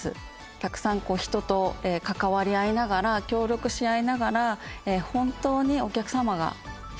たくさん人と関わり合いながら協力し合いながら本当にお客様が必要なもの